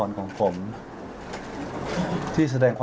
พร้อมแล้วเลยค่ะ